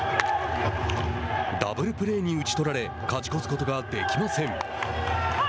ダブルプレーに打ち取られ勝ち越すことができません。